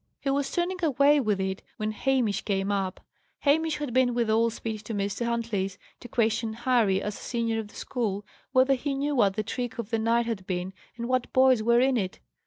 He was turning away with it, when Hamish came up. Hamish had been with all speed to Mr. Huntley's, to question Harry, as senior of the school, whether he knew what the trick of the night had been, and what boys were in it.